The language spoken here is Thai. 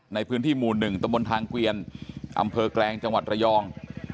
ในพื้นที่หมู่๑ตะบนทางเกวียนอำเภอแกลงจังหวัดระยอง